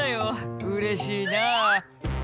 「うれしいなぁ」